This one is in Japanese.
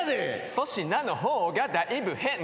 「粗品の方がだいぶ変だ」